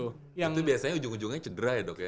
itu biasanya ujung ujungnya cedera ya dok ya